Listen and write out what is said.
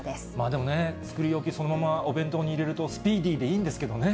でもね、作り置き、そのままお弁当に入れると、スピーディーでいいんですけどね。